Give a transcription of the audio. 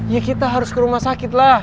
ya kita harus ke rumah sakit lah